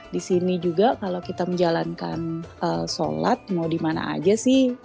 di sini juga kalau kita menjalankan sholat mau dimana aja sih